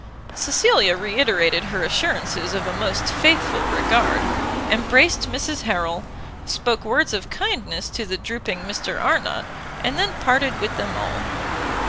Cecilia re iterated her assurances of a most faithful regard, embraced Mrs Harrel, spoke words of kindness to the drooping Mr Arnott, and then parted with them all.